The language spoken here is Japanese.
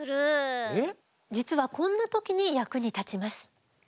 実はこんな時に役に立ちます。